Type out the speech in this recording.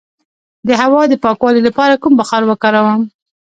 د هوا د پاکوالي لپاره کوم بخار وکاروم؟